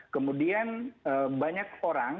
kemudian banyak orang